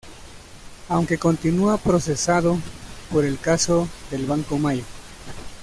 Aunque continúa procesado por el caso del Banco Mayo.